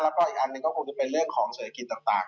แล้วก็อีกอันหนึ่งก็คงจะเป็นเรื่องของเศรษฐกิจต่าง